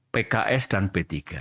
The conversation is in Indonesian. pks dan p tiga